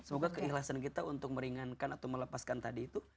semoga keikhlasan kita untuk meringankan atau melepaskan tadi itu